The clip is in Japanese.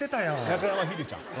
中山ヒデちゃん。